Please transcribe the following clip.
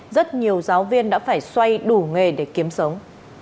rất nhiều giáo viên đã phải xoay đủ nghề để kiếm sống